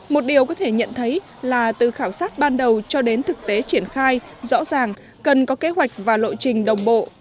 một điều có thể nhận thấy là từ khảo sát ban đầu cho đến thực tế triển khai rõ ràng cần có kế hoạch và lộ trình đồng bộ